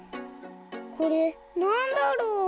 これなんだろう？